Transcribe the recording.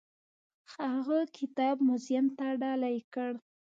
هغه کتاب موزیم ته ډالۍ کړ.